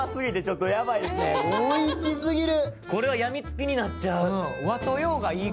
これはやみつきになっちゃう。